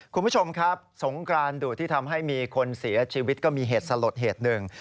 คุณผู้ชมครับสงกรานดุที่ทำให้มีคนเสียชีวิตก็มีเหตุสลดเหตุหนึ่ง